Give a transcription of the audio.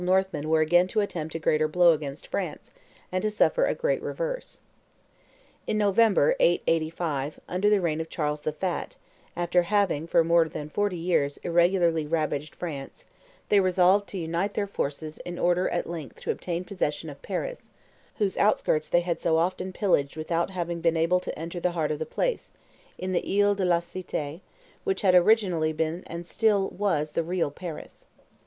Northmen were again to attempt a greater blow against France, and to suffer a great reverse. In November, 885, under the reign of Charles the Fat, after having, for more than forty years, irregularly ravaged France, they resolved to unite their forces in order at length to obtain possession of Paris, whose outskirts they had so often pillaged without having been able to enter the heart of the place, in the Ile de la Cite, which had originally been and still was the real Paris.